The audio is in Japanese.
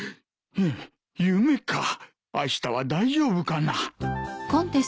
夢かあしたは大丈夫かな。